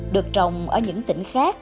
được trồng ở những tỉnh khác